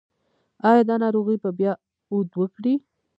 ایا دا ناروغي به بیا عود وکړي؟